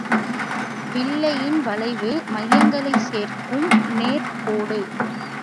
வில்லையின் வளைவு மையங்களைக் சேர்க்கும் நேர்க் கோடு.